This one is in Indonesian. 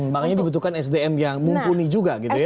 makanya dibutuhkan sdm yang mumpuni juga gitu ya